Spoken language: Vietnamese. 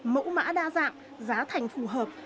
mẫu mã đa dạng giá thành phù hợp